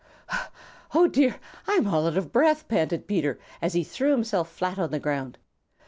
"Oh, dear, I'm all out of breath," panted Peter, as he threw himself flat on the ground.